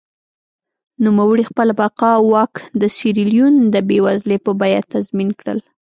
نوموړي خپله بقا او واک د سیریلیون د بېوزلۍ په بیه تضمین کړل.